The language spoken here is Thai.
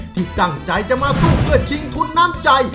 ที่ตั้งใจจะมาสู้เพื่อชิงทุนน้ำใจ